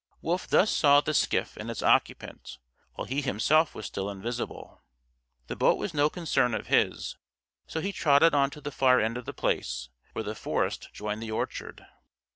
Wolf thus saw the skiff and its occupant, while he himself was still invisible. The boat was no concern of his; so he trotted on to the far end of The Place, where the forest joined the orchard.